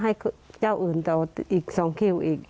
ให้เจ้าอื่นเจาะอีก๒กิโลกรัมอีก